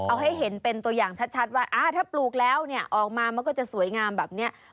เอาให้เห็นเป็นตัวอย่างชัดว่า